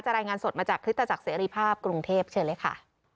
รายงานสดมาจากคริสตจักรเสรีภาพกรุงเทพเชิญเลยค่ะ